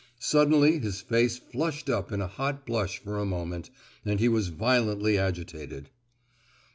Suddenly his face flushed up in a hot blush for a moment, and he was violently agitated.